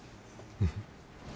うん。